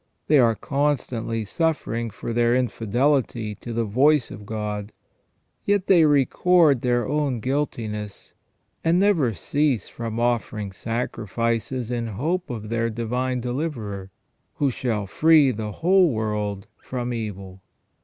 They are constantly suffering for their infidelity to the voice of God, yet they record their own guiltiness, and never cease from offering sacrifices in hope of their Divine Deliverer, who shall free the whole world from evil.